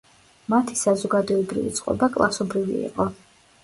მათი საზოგადოებრივი წყობა კლასობრივი იყო.